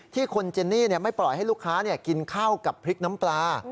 ที่คุณเจนนี่ไม่ปล่อยให้ลูกค้ากินข้าวกับพริกน้ำปลา